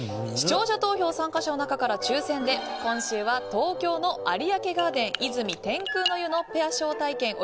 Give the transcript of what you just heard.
視聴者投票参加者の中から抽選で今週は東京の有明ガーデン泉天空の湯のペア招待券